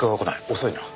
遅いな。